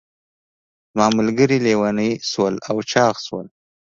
زما ملګري لیوني شول او چاغ شول.